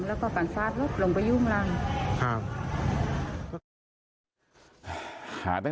แล้วก็ฝั่งฟาดลดลงประยุข้างล่าง